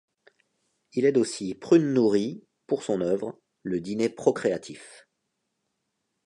Il aide aussi Prune Nourry, pour son œuvre, le dîner procréatif.